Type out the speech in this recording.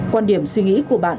quan điểm suy nghĩ của bạn